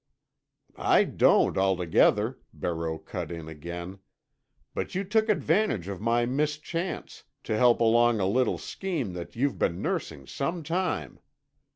"I don't—altogether," Barreau cut in again. "But you took advantage of my mischance, to help along a little scheme that you've been nursing some time.